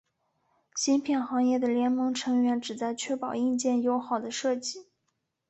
芯片行业的联盟成员旨在确保硬件友好的设计。